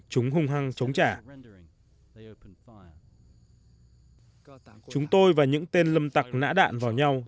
chúng tôi và những tên lâm tặc nã đạn vào nhau